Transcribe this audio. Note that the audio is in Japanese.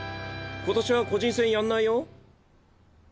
今年は個人戦やんないよ